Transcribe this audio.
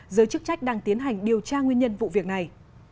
giới chức trách đang tiến hành điều tra nguyên nhân vụ việc này